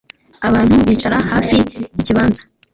abantu bicara hafi yikibanza